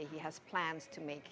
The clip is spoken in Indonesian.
dan saya ingin menjelaskan